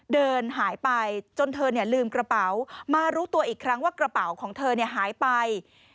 เดินหายไปจนเธอลืมกระเป๋ามารู้ตัวอีกครั้งว่ากระเป๋าของเธอหายไป